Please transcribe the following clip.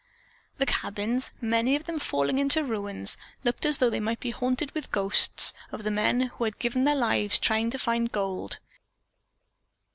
The cabins, many of them falling into ruins, looked as though they might be haunted with ghosts of the men who had given their lives trying to find gold.